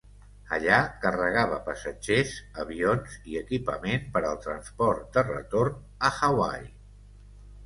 Allà, carregava passatgers, avions i equipament per al transport de retorn a Hawaii.